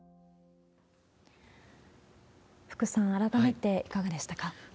福さん、改めていかがでしたか？